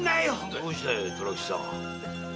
どうした虎吉さん？